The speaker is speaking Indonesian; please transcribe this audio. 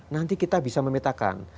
nanti kita bisa memetakan